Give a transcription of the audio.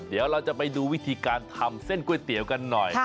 เดี๋ยวเราจะไปดูวิธีการทำเส้นก๋วยเตี๋ยวกันหน่อย